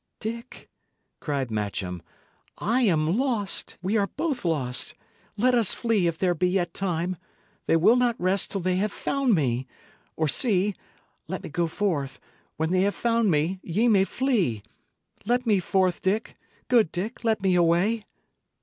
"Dick," cried Matcham, "I am lost; we are both lost. Let us flee if there be yet time. They will not rest till they have found me. Or, see! let me go forth; when they have found me, ye may flee. Let me forth, Dick good Dick, let me away!"